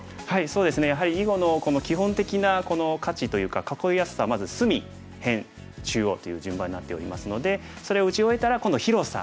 そうですねやはり囲碁の基本的な価値というか囲いやすさはまず隅辺中央という順番になっておりますのでそれを打ち終えたら今度は広さ